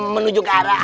menuju ke arah